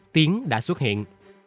tiến đã xuất hiện